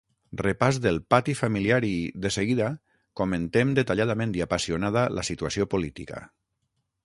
Repàs del ‘pati’ familiar i, de seguida, comentem detalladament i apassionada la situació política.